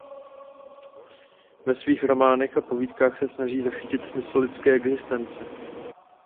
Ve svých románech a povídkách se snaží zachytit smysl lidské existence.